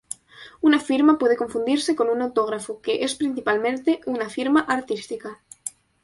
Una firma puede confundirse con un autógrafo, que es principalmente una firma artística.